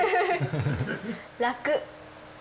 楽。